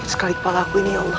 tidak nih emberadu rakam gantinya